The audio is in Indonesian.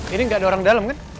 ini nggak ada orang dalam kan